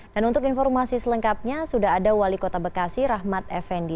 dan untuk informasi selengkapnya sudah ada wali kota bekasi rahmat effendi